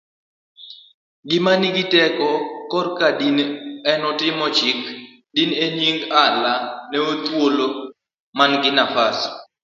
gima nigi teko korka din en timo chike din e nyingAllahethuolomaniginafas